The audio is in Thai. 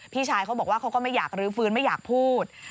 พี่ชายเขาบอกว่าเขาก็ไม่อยากรื้อฟื้นไม่อยากพูด